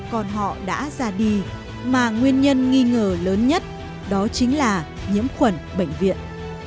còn họ đã ra đi mà nguyên nhân nghi ngờ lớn nhất đó chính là nhiễm khuẩn bệnh viện